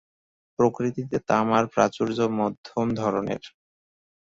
প্রকৃতিতে তামার প্রাচুর্য মধ্যম ধরনের।